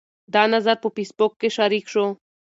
دا نظر په فیسبوک کې شریک شو.